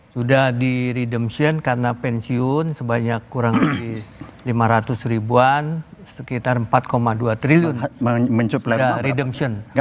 sudah di redemption karena pensiun sebanyak kurang di lima ratus ribuan sekitar empat dua triliun